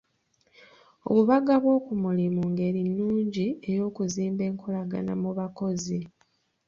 Obubaga bw'okumulimu ngeri nnungi ey'okuzimba enkolagana mu bakozi.